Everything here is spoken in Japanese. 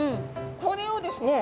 これをですね